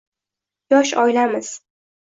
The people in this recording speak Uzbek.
Yosh oilamiz.